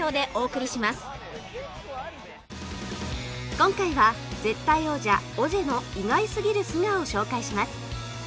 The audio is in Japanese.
今回は絶対王者オジェの意外すぎる素顔を紹介します